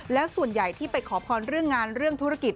แล้วส่วนใหญ่ที่ไปขอพรเรื่องงานเรื่องธุรกิจ